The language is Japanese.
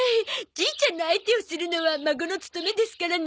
じいちゃんの相手をするのは孫の務めですからな。